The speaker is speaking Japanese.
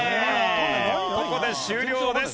ここで終了です。